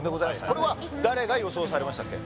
これは誰が予想されましたっけ？